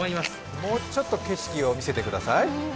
もうちょっと景色を見せてください。